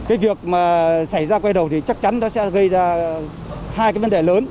cái việc mà xảy ra quay đầu thì chắc chắn nó sẽ gây ra hai cái vấn đề lớn